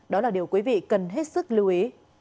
đó là điều quý vị cần hết sức lưu ý